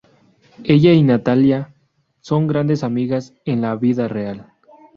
Ella y Natalya son grandes amigas en la vida real.